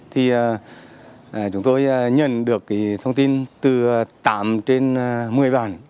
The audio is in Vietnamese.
thì chúng tôi nhận được thông tin từ tám trên một mươi bản